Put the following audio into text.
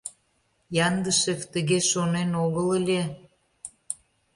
Яндышев тыге шонен огыл ыле.